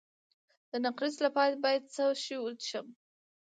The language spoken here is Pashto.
د نقرس لپاره باید څه شی وڅښم؟